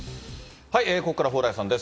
ここからは蓬莱さんです。